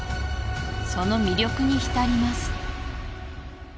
その魅力に浸ります